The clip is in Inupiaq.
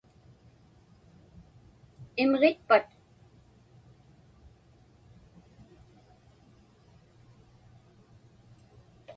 Imġitpat?